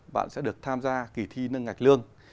bạn sẽ được tham gia kỳ thi nâng ngạch lương